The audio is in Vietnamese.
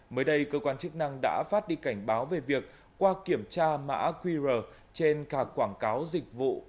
mới đây cơ quan chức năng đã phát đi cảnh báo về việc qua kiểm tra mã qr trên khà quảng cáo dịch vụ